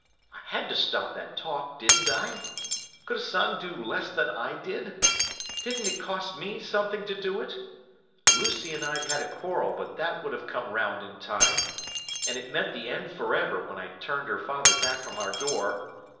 I had to stop that talk, didn't I? Could a son do less than I did? Didn't it cost me something to do it? Lucy and I'd had a quarrel, but that would have come round in time—and it meant the end forever when I turned her father back from our door.